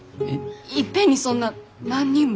いっぺんにそんな何人も？